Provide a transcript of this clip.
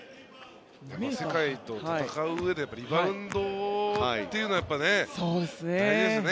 世界と戦ううえでリバウンドっていうのは大事ですよね。